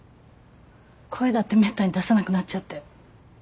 声だってめったに出さなくなっちゃって。